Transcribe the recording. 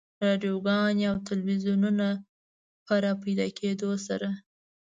رادیوګانو او تلویزیونونو په راپیدا کېدو سره.